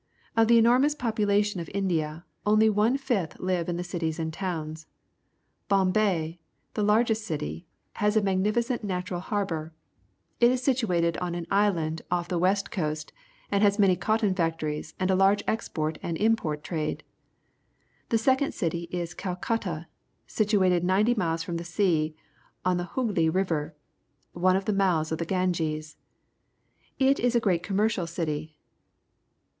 — Of the enormous popu lation of India, onlj' one fifth Uye in the cities and towns. Bombnji, the Ippgcot ' city, has a magnificent natural harbour. It is situated on an island off the west coast and has many cotton factories and a large export and import trade. The s©e»mi city is ijiL cuUa, situated ninety miles from the sea on the HoogLy JBirsL, one of the mouths of the Ganges. It is a great commercial city.